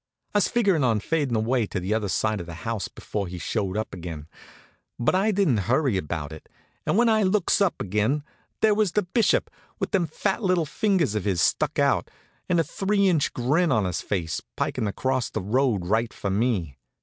I was figurin' on fadin' away to the other side of the house before he showed up again; but I didn't hurry about it, and when I looks up again there was the Bishop, with them fat little fingers of his stuck out, and a three inch grin on his face, pikin' across the road right for me.